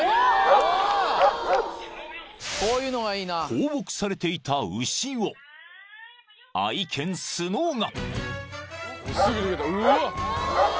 ［放牧されていた牛を愛犬スノーが］